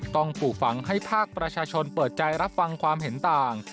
ปลูกฝังให้ภาคประชาชนเปิดใจรับฟังความเห็นต่าง